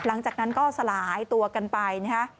หลังจากนั้นก็สลายตัวกันไปนะฮะ